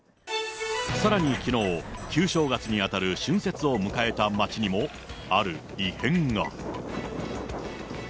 さらにきのう、旧正月にあたる春節を迎えた街にも、ある異変が。